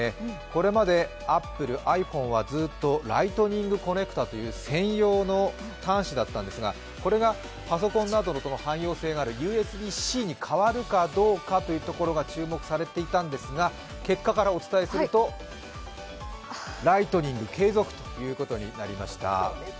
これまでアップル、ｉＰｈｏｎｅはＬｉｇｈｔｎｉｎｇコネクタという専用の端子だったんですが、これがパソコンなどの汎用性があるＵＳＢ−Ｃに変わるかどうかが注目されていたんですが、結果からお伝えするとＬｉｇｈｔｎｉｎｇ継続ということになりました。